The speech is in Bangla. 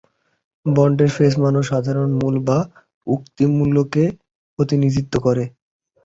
বন্ডের ফেস মান সাধারণত মূল বা মুক্তি মূল্যকে প্রতিনিধিত্ব করে।